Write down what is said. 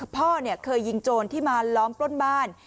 พ่อเคยยิงโจรที่มาล้อมปล้นบ้าน